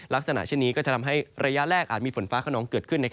ลักษณะเช่นนี้ก็จะทำให้ระยะแรกอาจมีฝนฟ้าขนองเกิดขึ้น